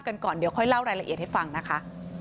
ก่อนเดี๋ยวค่อยเล่ารายละเอียดให้ฟังนะคะ